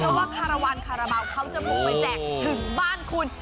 เพราะว่าคาราวันคาราบาลเขาจะบุกไปแจกถึงบ้านคุณ